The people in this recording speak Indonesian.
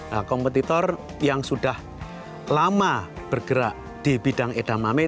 nah kompetitor yang sudah lama bergerak di bidang edamame